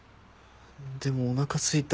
でもおなかすいた。